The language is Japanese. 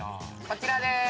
こちらでーす。